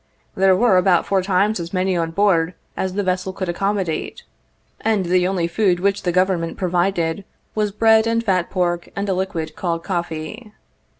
There were about four times as many on board as the vessel could accommodate, and the only food which the Gov 58 eminent provided was bread and fat pork and a liquid called coffee.